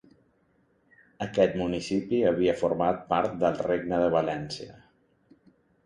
Aquest municipi havia format part del Regne de València.